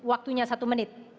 waktunya satu menit